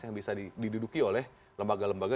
yang bisa diduduki oleh lembaga lembaga